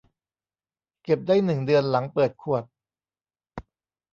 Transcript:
เก็บได้หนึ่งเดือนหลังเปิดขวด